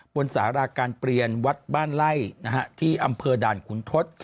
สาราการเปลี่ยนวัดบ้านไล่ที่อำเภอด่านขุนทศ